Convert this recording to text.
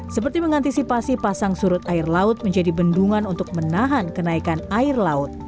seperti mengantisipasi pasang surut air laut menjadi bendungan untuk menahan kenaikan air laut